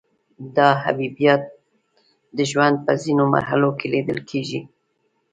دا حبیبات د ژوند په ځینو مرحلو کې لیدل کیږي.